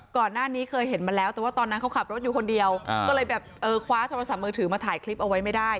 ก่อนหน้านี้เคยเห็นมาแล้วแต่ว่าตอนนั้นเขาขับรถอยู่คนเดียวก็เลยแบบเออคว้าโทรศัพท์มือถือมาถ่ายคลิปเอาไว้ไม่ได้